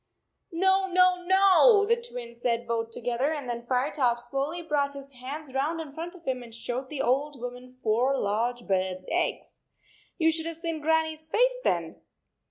"No, no, no," the Twins said both to gether; and then Firetop slowly brought his hands round in front of him and showed the old woman four large bird s eggs. You should have seen Grannie s face then